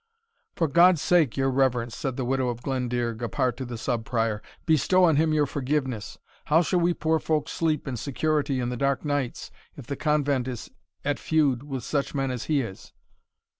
"For God's sake! your reverence," said the widow of Glendearg apart to the Sub Prior, "bestow on him your forgiveness how shall we poor folk sleep in security in the dark nights, if the convent is at feud with such men as he is?"